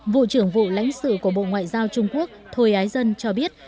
vụ trưởng vụ lãnh sự của bộ ngoại giao trung quốc thôi ái dân cho biết